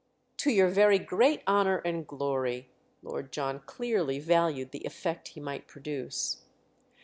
"To your very great honour and glory." Lord John clearly valued the effect he might produce.